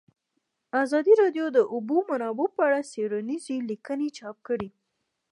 ازادي راډیو د د اوبو منابع په اړه څېړنیزې لیکنې چاپ کړي.